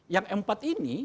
yang empat ini